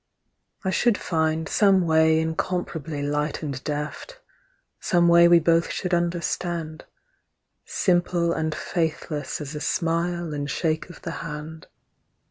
I should find Some way incomparably light and deft, Some way we both should understand, Simple and faithless as a smile and shake of the hand.